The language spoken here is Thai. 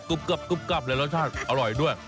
กรอบกรอบกรอบกรอบเลยรสชาติอร่อยด้วย